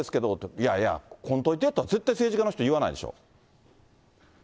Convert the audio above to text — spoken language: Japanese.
いやいや、来んといてとは、絶対、政治家の人言わないでしょ。